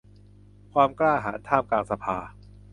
ความกล้าหาญท่ามกลางสภา